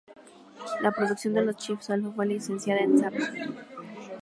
La producción de los chips Alpha fue licenciada a Samsung.